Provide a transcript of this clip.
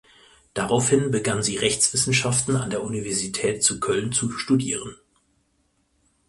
Daraufhin begann sie Rechtswissenschaften an der Universität zu Köln zu studieren.